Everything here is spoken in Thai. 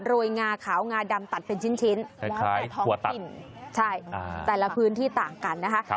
โรงาขาวงาดำตัดเป็นชิ้นแล้วแต่ท้องถิ่นใช่แต่ละพื้นที่ต่างกันนะคะ